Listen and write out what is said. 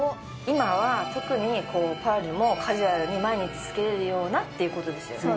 今は特にパールもカジュアルに毎日着けられるようなっていう事ですよね。